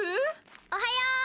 おはよう！